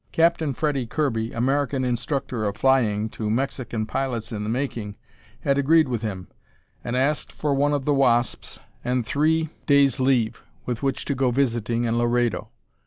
Captain Freddie Kirby, American instructor of flying to Mexican pilots in the making, had agreed with him and asked for one of the Wasps and three days' leave with which to go visiting in Laredo.